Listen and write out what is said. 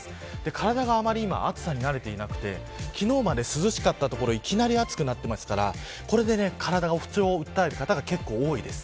体があまり暑さに慣れていなくて昨日まで涼しかったところいきなり暑くなっているのでこれで体の不調を訴える方が多いです。